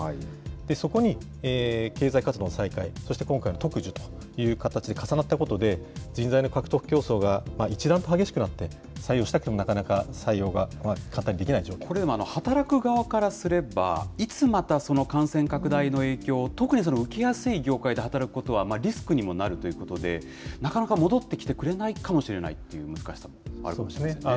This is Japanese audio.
そこに経済活動の再開、そして今回の特需という形で重なったことで、人材の獲得競争が一段と激しくなって、採用したくても、なかなかこれ、働く側からすれば、いつまたその感染拡大の影響を特に受けやすい業界で働くことはリスクにもなるということで、なかなか戻ってきてくれないかもしれないという難しさあるかもしれないですね。